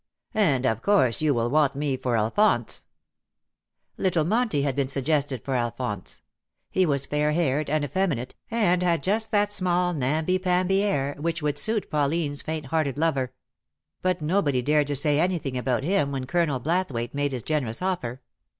And of course you will want me for Alphonse/'' Little Monty had been suggested for Alphonse. He was fair haired and effeminate, and had just that small namby pamby air which would suit Pauline's faint hearted lover ; but nobody dared to say any thing about him when Colonel Blathwayt made this generous offer.